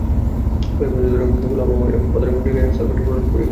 কয়েক শতাব্দী ধরে খোলা আবহাওয়ায় পাথরের মূর্তিটির গায়ে সালফেটের প্রলেপ পড়ে গিয়েছিল।